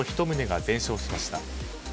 １棟が全焼しました。